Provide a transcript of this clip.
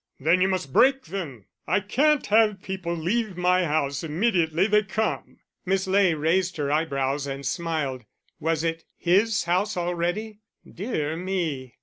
"Then you must break them; I can't have people leave my house immediately they come." Miss Ley raised her eyebrows and smiled; was it his house already? Dear me!